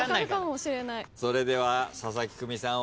それでは佐々木久美さん